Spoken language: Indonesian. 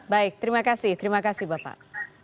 baik terima kasih terima kasih bapak